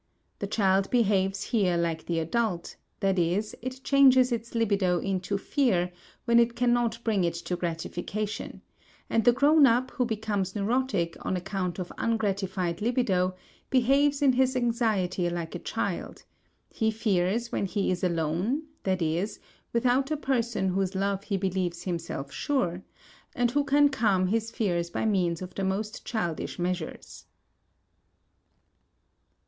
The child behaves here like the adult, that is, it changes its libido into fear when it cannot bring it to gratification, and the grown up who becomes neurotic on account of ungratified libido behaves in his anxiety like a child; he fears when he is alone, i.e., without a person of whose love he believes himself sure, and who can calm his fears by means of the most childish measures.